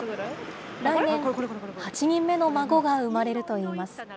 来年、８人目の孫が生まれるといいます。